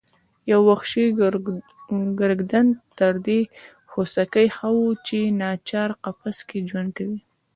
یو وحشي ګرګدن تر دې خوسکي ښه و چې ناچار قفس کې ژوند کوي.